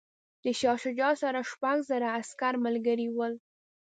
د شاه شجاع سره شپږ زره عسکر ملګري ول.